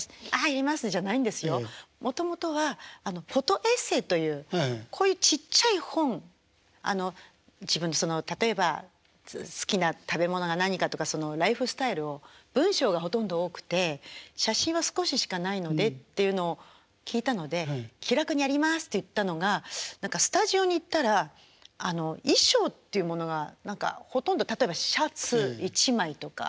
もともとはフォトエッセーというこういうちっちゃい本あの自分でその例えば好きな食べ物が何かとかそのライフスタイルを文章がほとんど多くて写真は少ししかないのでっていうのを聞いたので気楽にやりますって言ったのが何かスタジオに行ったら衣装っていうものが何かほとんど例えばシャツ１枚とか。